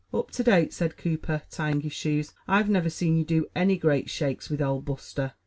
"Up to date," said Cooper, tying his shoes, "I've never seen you do any great shakes with Old Buster."